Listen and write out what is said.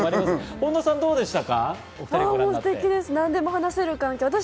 本田さんはどうでしたか？